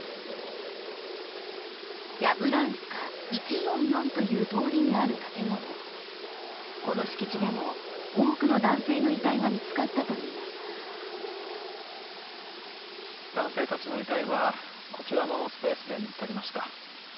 ヤブランスカ１４４という通りにある建物この敷地でも多くの男性の遺体が見つかったといいます男性たちの遺体はこちらのスペースで見つかりました